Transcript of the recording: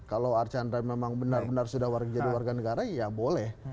kalau archandra memang benar benar sudah jadi warga negara ya boleh